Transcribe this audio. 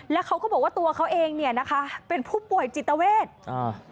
แล้วเขาก็บอกว่าตัวเขาเองเนี่ยนะคะเป็นผู้ป่วยจิตเวทอ่า